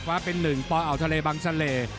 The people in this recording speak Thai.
ฟ้าเป็นหนึ่งปอทะเลบังซะเล